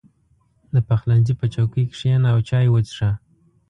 • د پخلنځي په چوکۍ کښېنه او چای وڅښه.